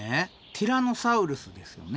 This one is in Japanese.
ティラノサウルスですよね。